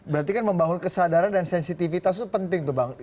berarti kan membangun kesadaran dan sensitivitas itu penting tuh bang